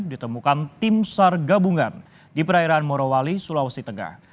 ditemukan tim sar gabungan di perairan morowali sulawesi tengah